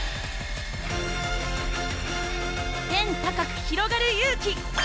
天高くひろがる勇気！